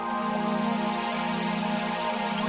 tak ada yang tidak peduli